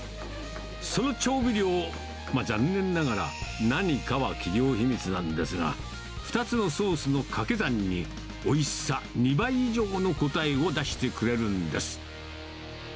その調味料、残念ながら何かは企業秘密なんですが、２つのソースのかけ算に、おいしさ２倍以上の答えを出してくれるんです。